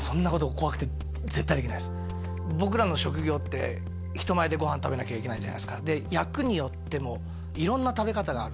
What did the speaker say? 僕らの職業って人前でご飯食べなきゃいけないじゃないっすかで役によっても色んな食べ方がある